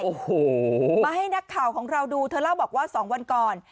โอ้โหมาให้นักข่าวของเราดูเธอเล่าบอกว่า๒วันก่อน